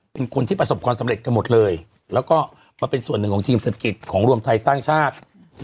เป็นคนที่ประสบความสำเร็จกันหมดเลยแล้วก็มาเป็นส่วนหนึ่งของทีมเศรษฐกิจของรวมไทยสร้างชาติ